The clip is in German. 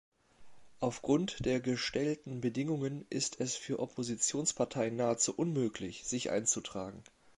Aufgrund der gestellten Bedingungen ist es für Oppositionsparteien nahezu unmöglich, sich einzutragen.